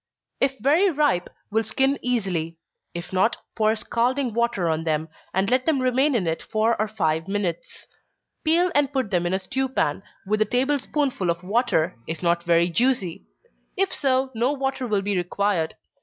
_ If very ripe will skin easily; if not, pour scalding water on them, and let them remain in it four or five minutes. Peel and put them in a stew pan, with a table spoonful of water, if not very juicy; if so, no water will be required.